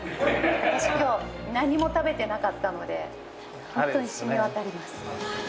私今日何も食べてなかったので本当に染み渡ります。